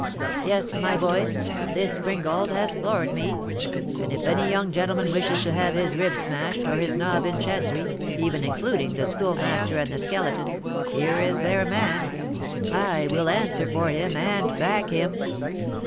Yes, my boys, this springald has floored me; and if any young gentleman wishes to have his ribs smashed, or his 'nob in Chancery,' even including the Schoolmaster and the Skeleton, here is their man; I will answer for him, and back him!"